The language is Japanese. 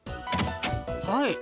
はい。